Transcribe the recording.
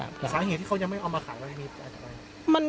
สาเหตุที่เขายังไม่เอามาขายวันนี้จะอะไร